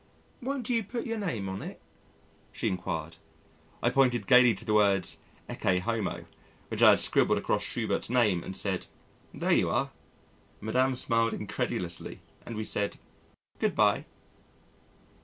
"Won't you put your name on it?" she inquired. I pointed gaily to the words "Ecce homo," which I had scribbled across Schubert's name and said, "There you are." Madame smiled incredulously and we said, "Good bye."